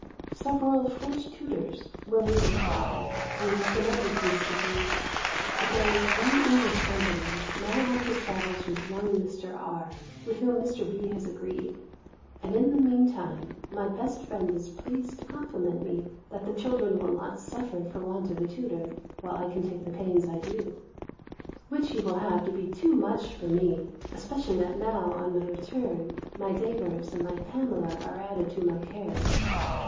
Several French tutors, when we were abroad, were recommended to Mr. B. But there is one English gentleman, now on his travels with young Mr. R. with whom Mr. B. has agreed; and in the mean time, my best friend is pleased to compliment me, that the children will not suffer for want of a tutor, while I can take the pains I do: which he will have to be too much for me: especially that now, on our return, my Davers and my Pamela are added to my cares.